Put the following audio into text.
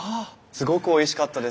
すごくおいしかったです。